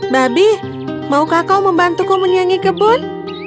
babi maukah kau membantuku menyanyi kebun